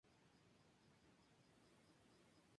Inició su carrera universitaria estudiando Física.